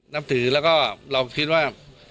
นับถือแล้วก็เราคิดว่า